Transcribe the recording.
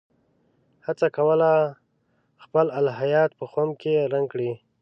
هڅه کوله خپل الهیات په خُم کې رنګ کړي.